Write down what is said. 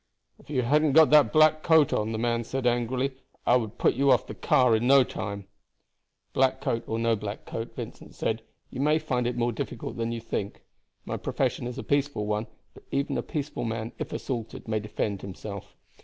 "If you hadn't got that black coat on," the man said angrily, "I would put you off the car in no time." "Black coat or no black coat," Vincent said, "you may find it more difficult than you think. My profession is a peaceful one; but even a peaceful man, if assaulted, may defend himself.